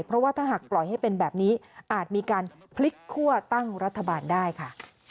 เพราะว่าถ้าหากปล่อยให้เป็นแบบนี้อาจมีการพลิกคั่วตั้งรัฐบาลได้ค่ะ